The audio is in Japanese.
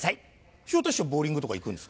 昇太師匠ボウリングとか行くんですか？